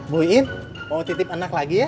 bu iin mau titip anak lagi ya